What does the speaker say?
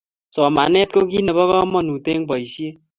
Somanet ko kit nebo kamanut eng boishet